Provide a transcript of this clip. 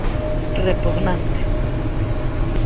Repugnante.